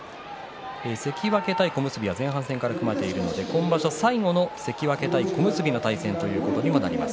関脇対小結、前半戦から組まれているので、今場所最後の関脇対小結の対戦になります。